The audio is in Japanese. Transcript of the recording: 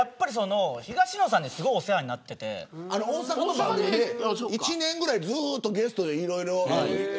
東野さんにすごくお世話になっていて大阪の番組で１年ぐらいずっとゲストでいろいろ。